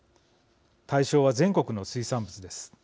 対象は全国の水産物です。